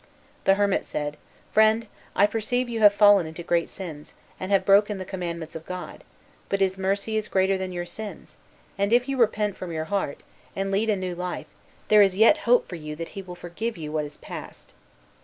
The hermit said, "Friend, I perceive you have fallen into great sins, and have broken the commandments of God, but his mercy is greater than your sins; and if you repent from your heart, and lead a new life, there is yet hope for you that he will forgive you what is past."